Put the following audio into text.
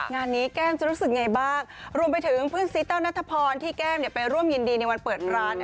งานนี้แก้มจะรู้สึกไงบ้างรวมไปถึงเพื่อนซีแต้วนัทพรที่แก้มไปร่วมยินดีในวันเปิดร้าน